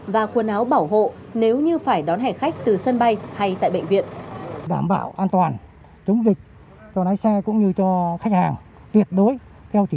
và quần áo bảo hộ nếu như phải đón hành khách